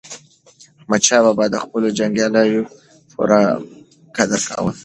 احمدشاه بابا د خپلو جنګیالیو پوره قدر کاوه.